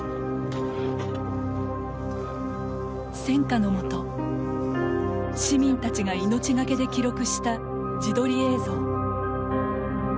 戦火の下市民たちが命懸けで記録した自撮り映像。